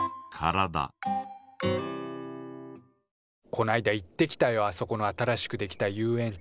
こないだ行ってきたよあそこの新しくできた遊園地。